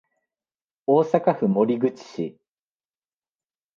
大阪府守口市